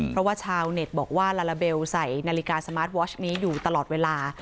เพราะว่าชาวเน็ตบอกว่าลาลาเบลใส่นาฬิกาสมาร์ทวอชนี้อยู่ตลอดเวลา